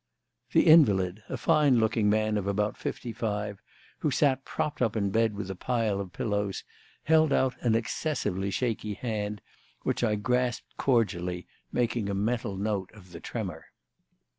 The invalid, a fine looking man of about fifty five, who sat propped up in bed with a pile of pillows, held out an excessively shaky hand, which I grasped cordially, making a mental note of the tremor.